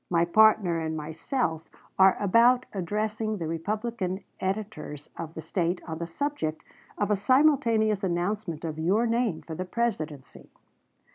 My partner and myself are about addressing the Republican editors of the State on the subject of a simultaneous announcement of your name for the Presidency."